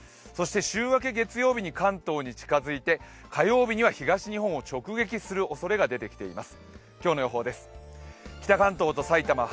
週明け月曜日に関東に近づいて、火曜日には東日本を直撃するおそれが出てきています。